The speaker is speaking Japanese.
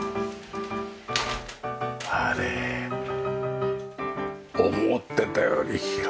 あれ思ってたより広いねえ。